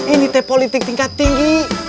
ini politik tingkat tinggi